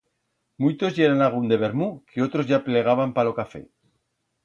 Muitos yeran agún de vermut que otros ya plegaban pa lo café.